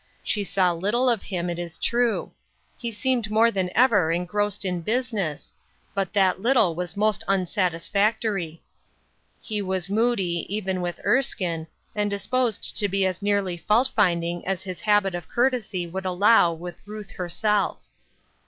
She saw little of him, it is true ; he seemed more than ever engrossed in business ; but that little was most unsatisfactory. He was moody, even with Erskine, and disposed to be as nearly fault finding as his habit of courtesy would allow with Ruth herself.